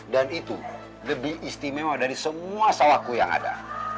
dan itu lebih istimewa dari semua sawahku yang ada